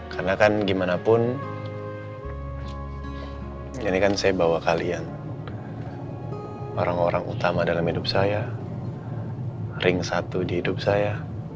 karena kan gimana pun ini kan saya bawa kalian orang orang utama dalam hidup saya ring satu di hidup saya